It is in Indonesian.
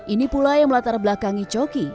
ini pula yang melatar belakangi coki